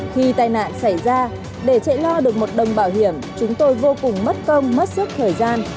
khi tai nạn xảy ra để chạy lo được một đồng bảo hiểm chúng tôi vô cùng mất công mất suốt thời gian